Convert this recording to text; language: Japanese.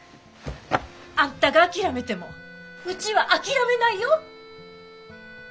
あんたが諦めてもうちは諦めないよ！